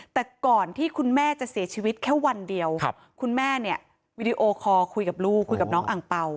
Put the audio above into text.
แต่ก่อนที่คุณแม่จะเสียชีวิตแค่วันเดียวคุณแม่เนี่ยวีดีโอคอลคุยกับลูกคุยกับน้องอังเป่า